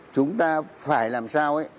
chúng ta phải làm sao